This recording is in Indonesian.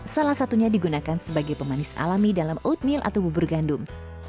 salah satunya digunakan sebagai pemanis alami dalam oatmeal atau bubur gandum